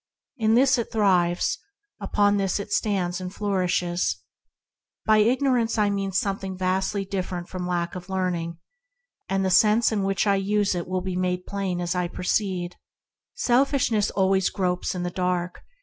In this it thrives; upon this it stands and flourishes. By ignor ance is meant something vastly different from lack of learning; and the sense in which it is used will be made plain. E.K. 3] 32 ENTERING THE KINGDOM Selfishness gropes in the dark.